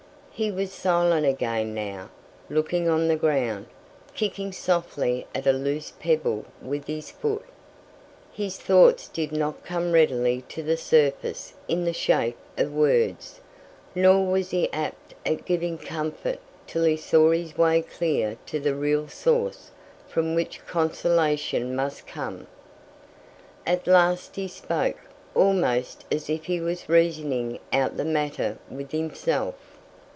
He was silent again now; looking on the ground, kicking softly at a loose pebble with his foot. His thoughts did not come readily to the surface in the shape of words; nor was he apt at giving comfort till he saw his way clear to the real source from which consolation must come. At last he spoke, almost as if he was reasoning out the matter with himself.